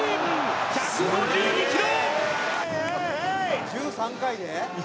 １５２キロ！